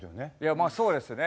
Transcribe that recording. まあそうですね。